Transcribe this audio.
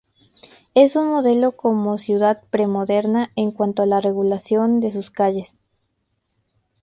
Es un modelo como ciudad pre-moderna en cuanto a la regulación de sus calles.